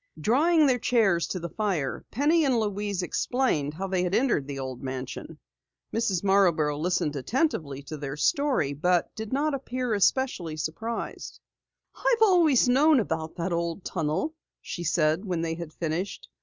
Drawing their chairs to the fire, Penny and Louise explained how they had entered the old mansion. Mrs. Marborough listened attentively to their story but did not appear especially surprised. "I've always known about that old tunnel," she said when they had finished.